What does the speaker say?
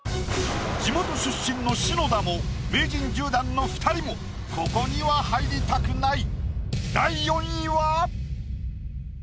地元出身の篠田も名人１０段の２人もここには入りたくない。